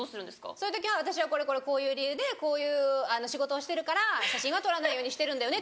そういう時「私はこういう理由でこういう仕事をしてるから写真は撮らないようにしてるんだよね」